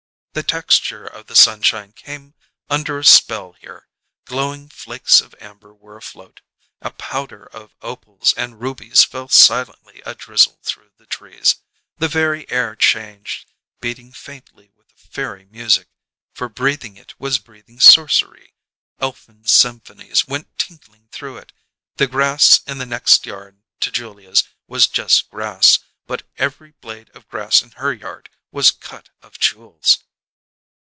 The texture of the sunshine came under a spell here; glowing flakes of amber were afloat; a powder of opals and rubies fell silently adrizzle through the trees. The very air changed, beating faintly with a fairy music, for breathing it was breathing sorcery: elfin symphonies went tinkling through it. The grass in the next yard to Julia's was just grass, but every blade of grass in her yard was cut of jewels.